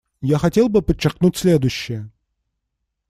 Я хотел бы подчеркнуть следующее.